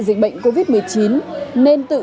dịch bệnh covid một mươi chín nên tự